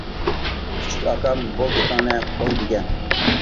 كىچىك ئاكام: بۇ گېپىڭنى قوي دېگەن.